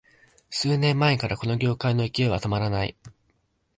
数年前からこの業界の勢いは止まらない